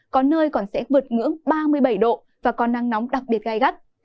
có nơi còn sẽ vượt ngưỡng ba mươi bảy độ và có nắng nóng đặc biệt gai gắt